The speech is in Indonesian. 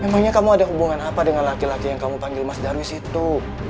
emangnya kamu ada hubungan apa dengan laki laki yang kamu panggil mas darwis itu